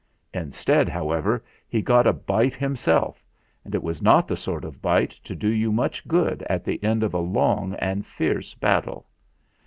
Instead, however, he got a bite himself; and it was not the sort of bite to do you much good at the end of a long and fierce battle.